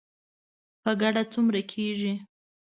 په ګډه څومره کیږي؟